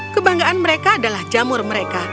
kebanggaan mereka adalah jamur mereka